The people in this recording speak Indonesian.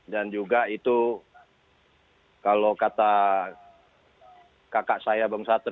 dan juga itu kalau kata kakak saya bang satrio itu